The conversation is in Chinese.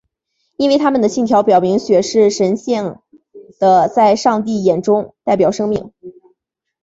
因为他们的信条表明血是神性的在上帝眼中代表生命。